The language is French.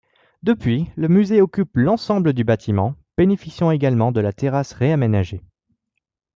Depuis, le musée occupe l'ensemble du bâtiment, bénéficiant également de la terrasse réaménagée.